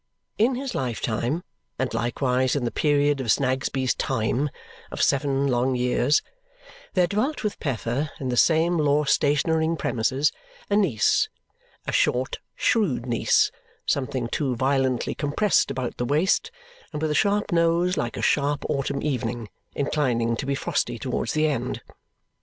In his lifetime, and likewise in the period of Snagsby's "time" of seven long years, there dwelt with Peffer in the same law stationering premises a niece a short, shrewd niece, something too violently compressed about the waist, and with a sharp nose like a sharp autumn evening, inclining to be frosty towards the end.